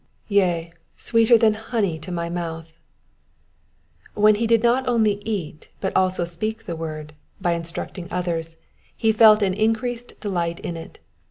rea, sweeter than honey to my mouth.''^ When he did not only eat but also speak the word, by instructing others, he felt an increased delight in it.